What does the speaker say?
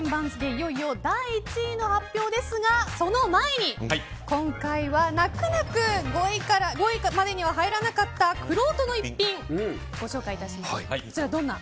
いよいよ第１位の発表ですがその前に今回は泣く泣く５位までには入らなかったくろうとの逸品をご紹介します。